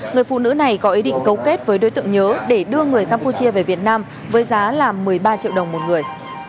người phụ nữ này có ý định cấu kết với đối tượng nhớ để đưa người campuchia về việt nam với giá là một mươi ba triệu đồng một người